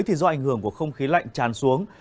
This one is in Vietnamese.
thì do ảnh hưởng của không khí lạnh tràn xuống